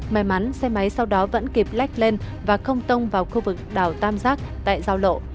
may mắn xe máy sau đó vẫn kịp lách lên và không tông vào khu vực đảo tam giác tại giao lộ